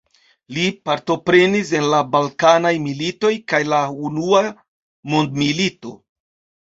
Li partoprenis en la Balkanaj militoj kaj la Unua Mondmilito.